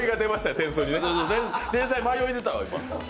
天才、迷い出たわ。